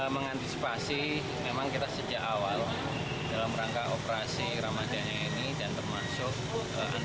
mengantisipasi memang kita sejak awal dalam rangka operasi ramadan ini